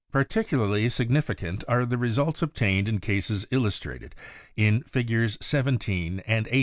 Particularly significant are the results ob tained in cases illustrated in Figures 17 and 18.